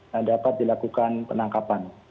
yang dapat dilakukan penangkapan